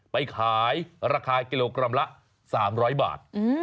ไปขายราคากิโลกรัมละ๓๐๐บาท